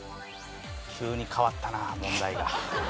急に変わったな問題が。